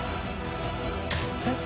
「えっ？